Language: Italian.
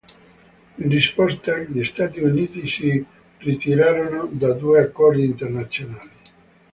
In risposta, gli Stati Uniti si ritirarono da due accordi internazionali.